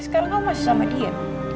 sekarang sama dia